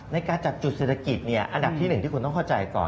ในการจัดจุดเศรษฐกิจอันดับที่๑ที่คุณต้องเข้าใจก่อน